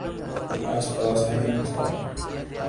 آس پاس ہجوم تھا۔